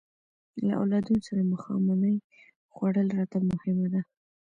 له اولادونو سره ماښامنۍ خوړل راته مهمه ده.